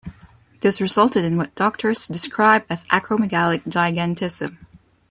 This resulted in what doctors describe as acromegalic gigantism.